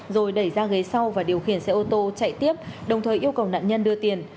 rồi đẩy ra ghế sau và điều khiển xe ô tô chạy tiếp đồng thời yêu cầu nạn nhân đưa tiền